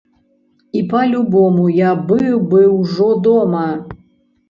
І па-любому я быў бы ўжо дома.